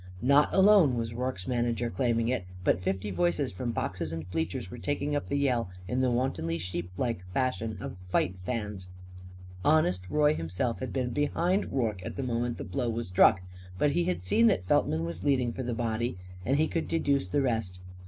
Not alone was Rorke's manager claiming it, but fifty voices from boxes and bleachers were taking up the yell in the wontedly sheeplike fashion of fight fans. Honest Roy himself had been behind Rorke at the moment the blow was struck. But he had seen that Feltman was leading for the body. And he could deduce the rest.